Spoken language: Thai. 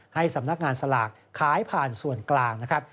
ให้สำนักงานสลากขายผ่านส่วนกลางนะครับ